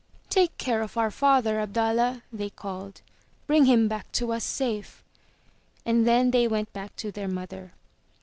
'Take care of our father, Abdallah!" they called. "Bring him back to us safe!" And then they went back to their mother.